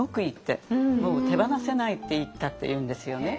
もう手放せないって言ったっていうんですよね。